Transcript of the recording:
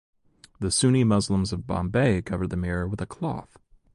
The Sunni Muslims of Bombay cover the mirror with a cloth.